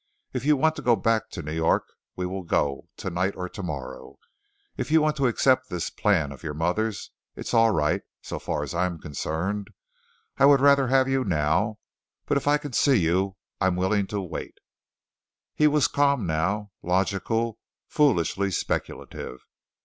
If you want to go back to New York, we will go, tonight or tomorrow. If you want to accept this plan of your mother's, it's all right, so far as I am concerned. I would rather have you now, but if I can see you, I am willing to wait." He was calm now, logical, foolishly speculative.